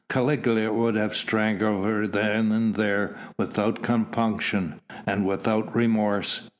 Caligula would have strangled her then and there without compunction and without remorse.